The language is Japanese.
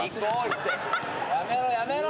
やめろやめろ。